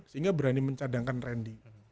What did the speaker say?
sehingga berani mencadangkan randy